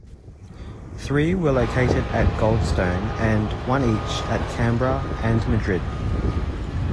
Three were located at Goldstone, and one each at Canberra and Madrid.